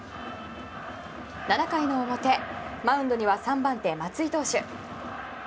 ７回の表、マウンドには３番手、松井投手。